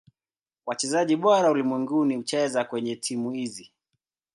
Wachezaji bora ulimwenguni hucheza kwenye timu hizi.